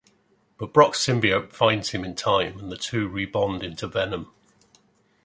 But Brock's symbiote finds him in time and the two rebond into Venom.